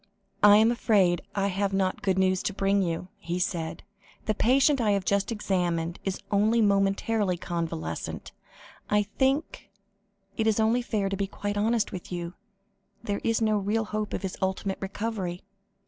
"I am afraid I have not good news to bring you," he said. "The patient I have just examined, is only momentarily convalescent. I think it is only fair to be quite honest with you: there is no real hope of his ultimate recovery."